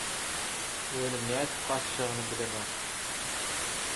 ýöne nädip gaçjagyny bilenok.